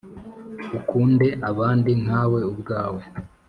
ukunde abandi nkawe ubwawe